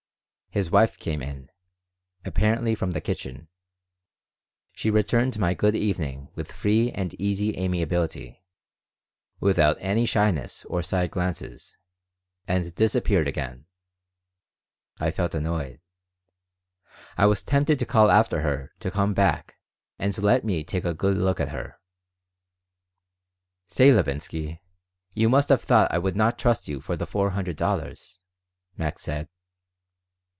His wife came in, apparently from the kitchen. She returned my "Good evening" with free and easy amiability, without any shyness or side glances, and disappeared again. I felt annoyed. I was tempted to call after her to come back and let me take a good look at her "Say, Levinsky, you must have thought I would not trust you for the four hundred dollars," Max said.